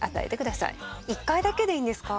１回だけでいいんですか？